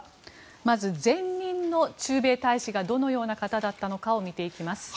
まず前任の駐米大使がどのような方だったのか見ていきます。